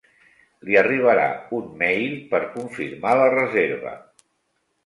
Li arribarà un mail per confirmar la reserva.